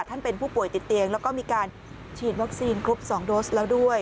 ท่านเป็นผู้ป่วยติดเตียงแล้วก็มีการฉีดวัคซีนครบ๒โดสแล้วด้วย